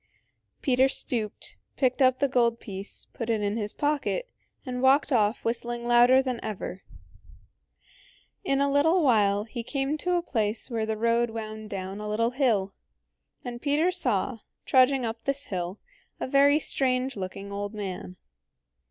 Peter stooped, picked up the gold piece, put it in his pocket, and walked off whistling louder than ever. In a little while he came to a place where the road wound down a little hill, and Peter saw, trudging up this hill, a very strange looking old man.